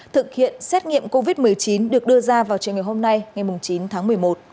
thực hiện xét nghiệm covid một mươi chín được đưa ra vào trường ngày hôm nay ngày chín tháng một mươi một